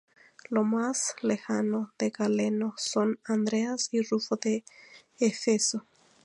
Los más lejanos de Galeno son Andreas y Rufo de Éfeso.